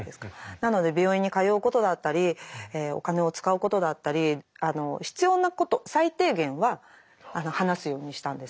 なので病院に通うことだったりお金を使うことだったり必要なこと最低限は話すようにしたんですね。